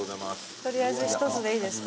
取りあえず一つでいいですか？